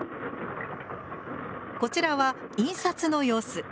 こちらは印刷の様子。